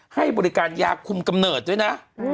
ให้บริการยาคุมกำเนิดด้วยนะ